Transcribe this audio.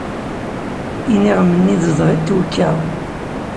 Iniɣem-nni tezdeɣ-it twekka.